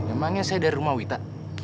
emangnya saya dari rumah wita